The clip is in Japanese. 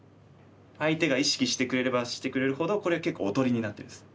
相手が意識してくれればしてくれるほどこれが結構おとりになってるんです。